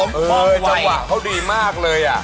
จังหวะเขาดีมากเลย